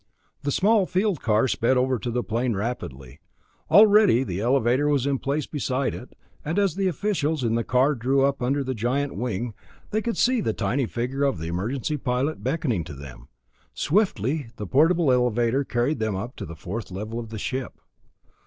The small field car sped over to the plane rapidly. Already the elevator was in place beside it, and as the officials in the car drew up under the giant wing, they could see the tiny figure of the emergency pilot beckoning to them. Swiftly the portable elevator carried them up to the fourth level of the ship.